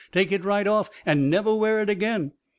Take it right off and never wear it again.'"